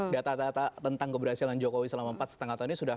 data data tentang keberhasilan jokowi selama empat lima tahun ini sudah